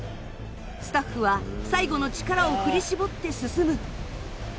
スタッフは最後の力を振り絞って進む。